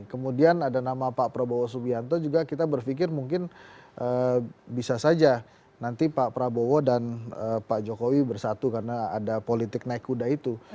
kemudian ada nama pak prabowo subianto juga kita berpikir mungkin bisa saja nanti pak prabowo dan pak jokowi bersatu karena ada politik naik kuda itu